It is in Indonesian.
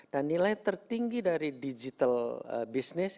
dan nilai tertinggi dari digital business